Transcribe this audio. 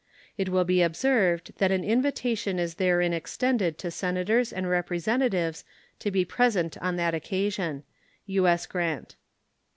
It will be observed that an invitation is therein extended to Senators and Representatives to be present on that occasion. U.S. GRANT.